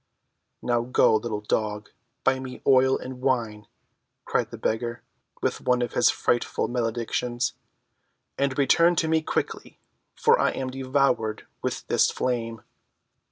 "Now go, little dog, buy me oil and wine," cried the beggar, with one of his frightful maledictions, "and return to me quickly, for I am devoured with this flame."